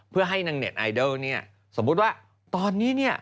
เพื่อให้นางเน็ตไอดอลเนี่ยสมมุติว่าตอนนี้เนี่ย